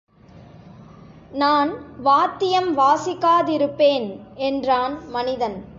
நான் வாத்தியம் வாசிக்காதிருப்பேன்! என்றான் மனிதன்.